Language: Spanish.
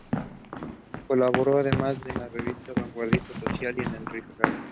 Colaboró además en la revista vanguardista "Social" y en "El Fígaro".